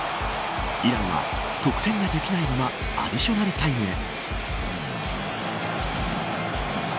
イランは得点ができないままアディショナルタイムへ。